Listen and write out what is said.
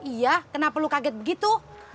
iya kenapa perlu kaget begitu